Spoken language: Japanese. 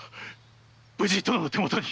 無事殿の手元に！